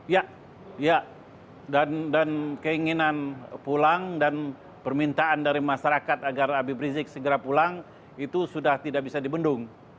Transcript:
ya dan keinginan pulang dan permintaan dari masyarakat agar habib rizik segera pulang itu sudah tidak bisa dibendung